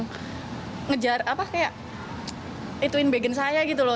cenderung ngejar apa kayak ituin bagian saya gitu loh